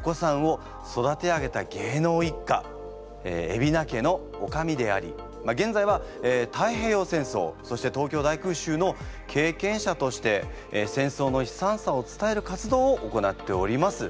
海老名家のおかみであり現在は太平洋戦争そして東京大空襲の経験者として戦争の悲惨さを伝える活動を行っております。